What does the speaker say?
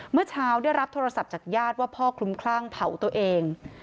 เมื่อเช้าได้รับโทรศัพท์จากญาติว่าพ่อคลุมคลั่งเผาตัวเอง